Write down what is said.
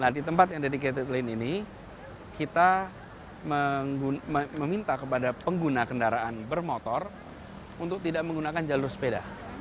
nah di tempat yang dedicated lane ini kita meminta kepada pengguna kendaraan bermotor untuk tidak menggunakan jalur sepeda